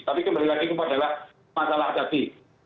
tapi kembali lagi itu adalah masalah tadi